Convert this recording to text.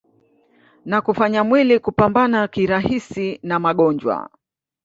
na kufanya mwili kupambana kirahisi na magonjwa